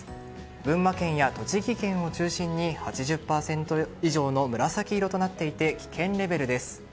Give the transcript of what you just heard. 群馬県や栃木県を中心に８０％以上の紫色となっていて危険レベルです。